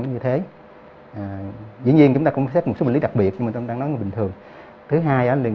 như thế dĩ nhiên chúng ta cũng xét một số lý đặc biệt mà chúng ta nói bình thường thứ hai liên